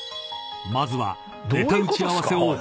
［まずは］